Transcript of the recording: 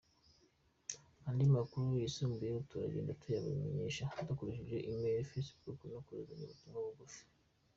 Andi makuru yisumbuyeho turagenda tuyabamenyesha dukoresheje emails, facebook no kohereza ubutumwa bugufi.